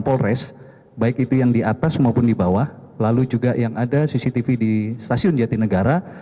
polres baik itu yang di atas maupun di bawah lalu juga yang ada cctv di stasiun jatinegara